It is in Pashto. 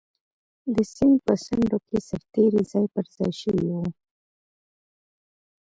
د سیند په څنډو کې سرتېري ځای پر ځای شوي وو.